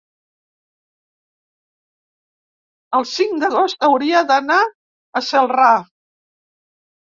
el cinc d'agost hauria d'anar a Celrà.